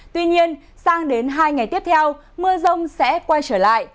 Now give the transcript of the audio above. tuy nhiên sang đến hai ngày tiếp theo mưa rông sẽ quay trở lại